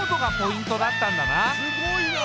すごいなあ。